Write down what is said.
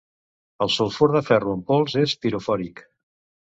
El sulfur de ferro en pols és pirofòric.